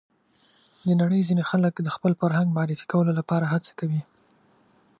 د نړۍ ځینې خلک د خپل فرهنګ معرفي کولو لپاره هڅه کوي.